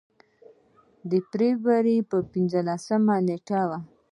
د فبروري پر پنځلسمه نېټه و.